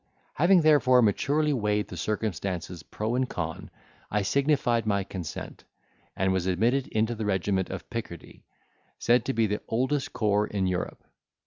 Having, therefore, maturely weighed the circumstances pro and con I signified my consent, and was admitted into the regiment of Picardy, said to be the oldest corps in Europe.